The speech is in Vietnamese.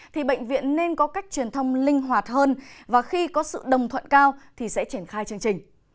thì bệnh viện nên có cách truyền thông linh hoạt hơn và khi có sự đồng thuận cao thì sẽ triển khai chương trình